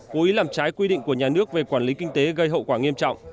cố ý làm trái quy định của nhà nước về quản lý kinh tế gây hậu quả nghiêm trọng